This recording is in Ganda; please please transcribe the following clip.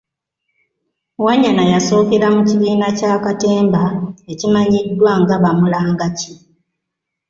Wanyana yasookera mu kibiina kya Katemba ekimanyiddwa nga Bamulangaki.